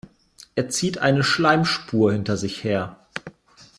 Er zieht eine Schleimspur hinter sich her.